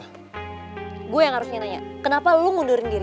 saya yang harus bertanya kenapa kamu ngundurin diri